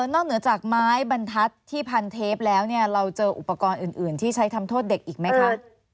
เหนือจากไม้บรรทัศน์ที่พันเทปแล้วเนี่ยเราเจออุปกรณ์อื่นที่ใช้ทำโทษเด็กอีกไหมคะ